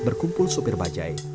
tempat berkumpul sopir bajai